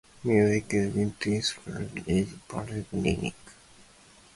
Music using this technique is pandiatonic.